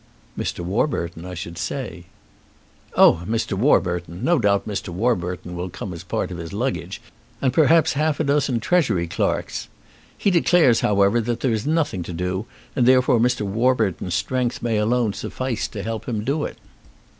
"Mr. Warburton, I should say." "Oh, Mr. Warburton! No doubt Mr. Warburton will come as a part of his luggage, and possibly half a dozen Treasury clerks. He declares, however, that there is nothing to do, and therefore Mr. Warburton's strength may alone suffice to help him to do it.